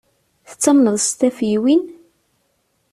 Tattamneḍ s tafeywin?